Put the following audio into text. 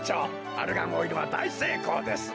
アルガンオイルはだいせいこうですな。